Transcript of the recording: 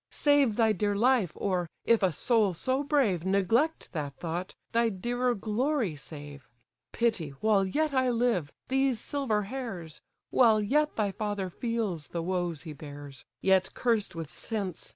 Save thy dear life; or, if a soul so brave Neglect that thought, thy dearer glory save. Pity, while yet I live, these silver hairs; While yet thy father feels the woes he bears, Yet cursed with sense!